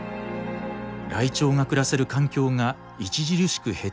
ライチョウが暮らせる環境が著しく減ってしまうというんです。